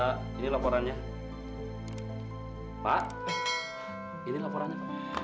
amin sih pak ini laporannya